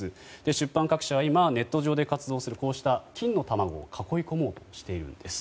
出版各社は今、ネット上で活動している金の卵を囲い込もうとしているんです。